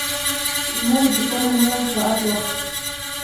ما له دوکانه نوی ساعت واخیست.